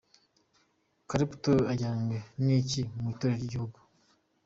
Clapton ajyanywe n’iki mu itorero ry'igihugu?.